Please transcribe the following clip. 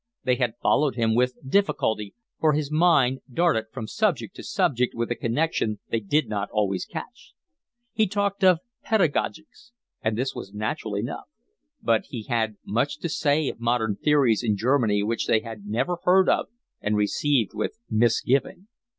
They had followed him with difficulty, for his mind darted from subject to subject with a connection they did not always catch. He talked of pedagogics, and this was natural enough; but he had much to say of modern theories in Germany which they had never heard of and received with misgiving.